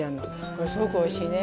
これすごくおいしいね。